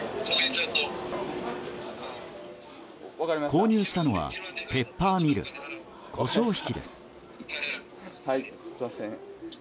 購入したのはペッパーミルコショウひきです。